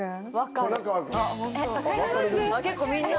結構みんな。